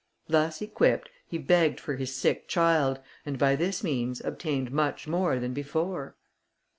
Thus equipped, he begged for his sick child, and by this means obtained much more than before.